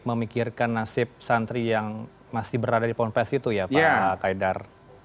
memikirkan nasib santri yang masih berada di ponpes itu ya pak kaidar